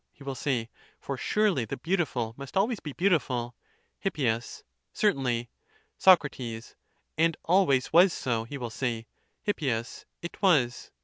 he will say; for surely the beautiful must always be beautiful. Hip, Certainly. Soe. And always was so, he will say. Hip. It was.